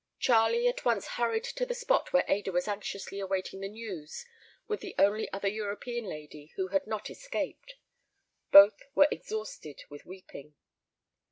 Charlie at once hurried to the spot where Ada was anxiously awaiting news with the only other European lady who had not escaped. Both were exhausted with weeping.